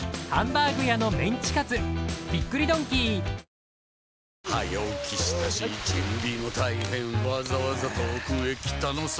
夏が香るアイスティー早起きしたし準備も大変わざわざ遠くへ来たのさ